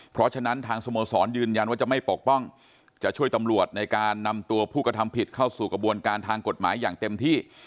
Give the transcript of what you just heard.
เพราะฉะนั้นทางสโมสรยืนยันว่าจะไม่ปกป้องจะช่วยตำรวจในการนำตัวผู้กระทำผิดเข้าสู่กระบวนการทางกฎหมายอย่างเต็มที่